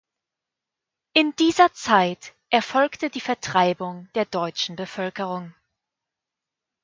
In dieser Zeit erfolgte die Vertreibung der deutschen Bevölkerung.